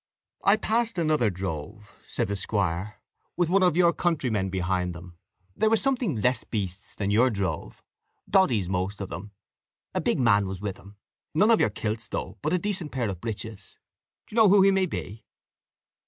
"I passed another drove," said the squire, "with one of your countrymen behind them; they were something less beasts than your drove, doddies most of them; a big man was with them none of your kilts though, but a decent pair of breeches. D'ye know who he may be?"